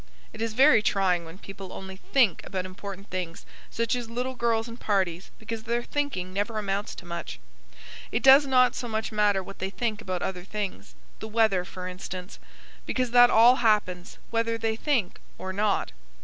It is very trying when people only THINK about important things, such as little girls and parties; because their thinking never amounts to much. It does not so much matter what they think about other things the weather, for instance; because that all happens, whether they think or not.